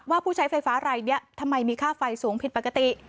ผู้ใช้ไฟฟ้ารายนี้ทำไมมีค่าไฟสูงผิดปกติ